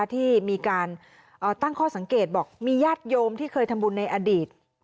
ที่มีการตั้งข้อสังเกตบอกมีญาติโยมที่เคยทำบุญในอดีต